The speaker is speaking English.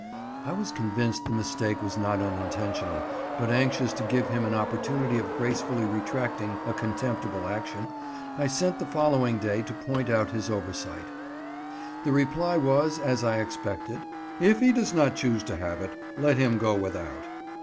I was convinced the mistake was not unintentional, but, anxious to give him an opportunity of gracefully retracting a contemptible action, I sent the following day to point out his oversight. The reply was, as I expected, "If he does not choose to have it let him go without."